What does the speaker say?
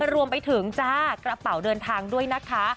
รวมไปถึงจ้ากระเป๋าเดินทางด้วยนะคะ